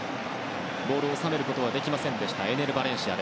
ボールを下げることはできませんでしたエネル・バレンシア。